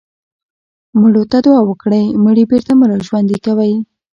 مړو ته دعا وکړئ مړي بېرته مه راژوندي کوئ.